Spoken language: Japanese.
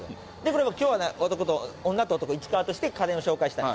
これがきょうは、男と女、女と男、市川として、家電を紹介したい。